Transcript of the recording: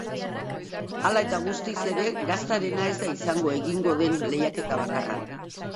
Hala eta guztiz ere, gaztarena ez da izango egingo den lehiaketa bakarra.